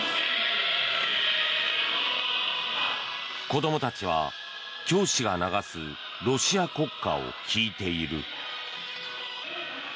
子供たちは教師が流すロシア国歌を聴いている。